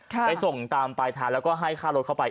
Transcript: ไปส่งตามปลายทางแล้วก็ให้ค่ารถเข้าไป